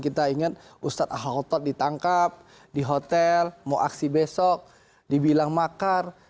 kita ingat ustadz ahtod ditangkap di hotel mau aksi besok dibilang makar